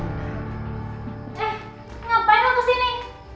eh ngapain aku kesini